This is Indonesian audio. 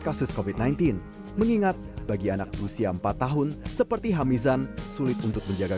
kasus covid sembilan belas mengingat bagi anak usia empat tahun seperti hamizan sulit untuk menjaga